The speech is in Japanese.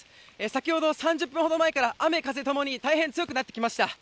先ほど３０分ほど前から雨、風ともに大変強くなってきました。